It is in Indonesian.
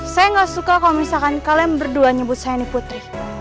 saya nggak suka kalau misalkan kalian berdua nyebut saya nih putri